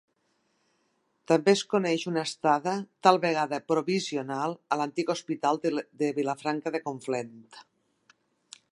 També es coneix una estada, tal vegada provisional, a l'Antic Hospital de Vilafranca de Conflent.